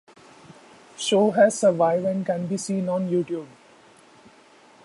Show has survived and can be seen on YouTube.